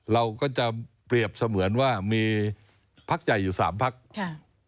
เราก็จะเปรียบเสมือนว่ามีภักดิ์ใหญ่อยู่๓ภักดิ์